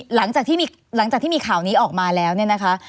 หลังจากที่มีข่าวนี้ออกมาแล้วเนี่ยนะคะ